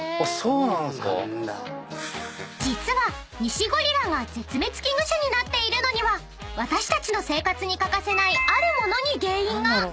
［実はニシゴリラが絶滅危惧種になっているのには私たちの生活に欠かせないあるものに原因が］